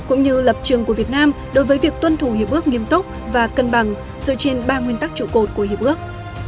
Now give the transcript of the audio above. cũng như lập trường của việt nam đối với việc tuân thủ hiệp ước nghiêm túc và cân bằng dựa trên ba nguyên tắc trụ cột của hiệp ước